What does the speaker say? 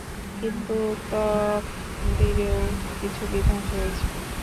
কিন্তু তকদীরেরও কিছু বিধান রয়েছে।